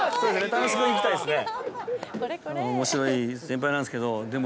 楽しくいきたいですね。